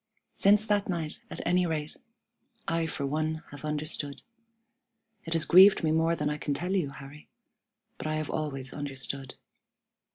Since that night, at any rate, I for one have understood. It has grieved me more than I can tell you, Harry, but I have always understood.